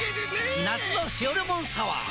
夏の「塩レモンサワー」！